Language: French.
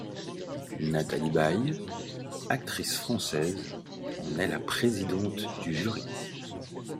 Nathalie Baye, actrice française, en est la présidente du jury.